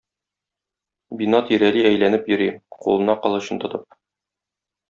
Бина тирәли әйләнеп йөри, кулына кылычын тотып.